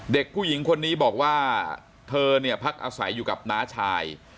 เด็กผู้หญิงคนนี้บอกว่าเธอเนี่ยพักอาศัยอยู่กับน้าชาย